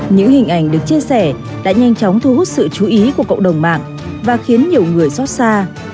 những hình ảnh được chia sẻ đã nhanh chóng thu hút sự chú ý của cộng đồng mạng và khiến nhiều người xót xa